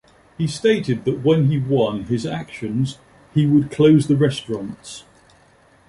He stated that when he won his actions he would close the restaurants.